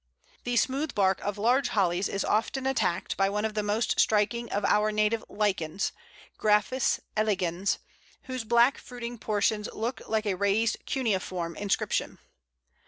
The smooth bark of large Hollies is often attacked by one of the most striking of our native lichens Graphis elegans whose black fruiting portions look like a raised cuneiform inscription.